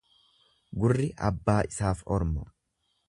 Gurri abbaa isaaf orma.